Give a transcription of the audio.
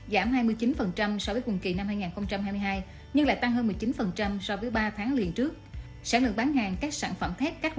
giảm hai mươi ba so với cùng kỳ năm hai nghìn hai mươi hai